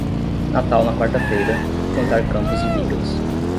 Natal na quarta-feira, plantar campos e vigas.